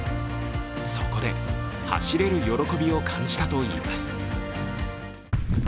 そこで走れる喜びを感じたといいます。